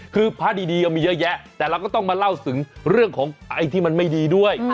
คือพระดีมีเยอะแยะแต่เราก็ต้องมาเล่าถึงเรื่องของไอ้ที่มันไม่ดีด้วย